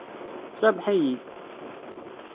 Sameḥ-iyi!